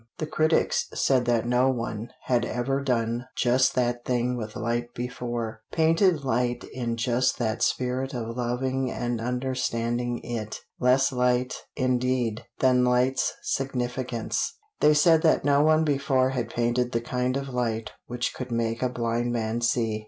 The critics said that no one had ever done just that thing with light before painted light in just that spirit of loving and understanding it; less light, indeed, than light's significance. They said that no one before had painted the kind of light which could make a blind man see.